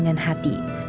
utyah sahabat jiwa